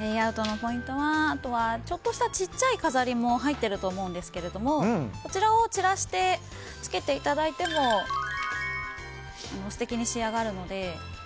レイアウトのポイントはちょっとした小さい飾りも入ってると思うんですけどこちらを散らして付けていただいても素敵に仕上がるので。